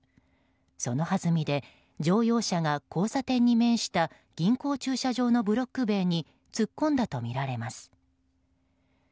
そのはずみで乗用車が交差点に面した銀行駐車場のブロック塀に突っ込んだとみられます。